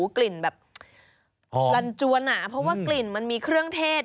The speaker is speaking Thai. กลิ่นแบบลันจวนหนาเพราะว่ากลิ่นมันมีเครื่องเทศ